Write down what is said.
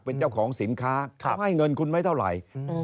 เป็นเจ้าของสินค้าเขาให้เงินคุณไม่เท่าไหร่